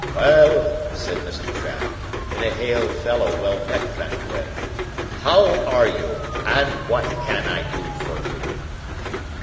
"Well!" said Mr. Trabb, in a hail fellow well met kind of way. "How are you, and what can I do for you?"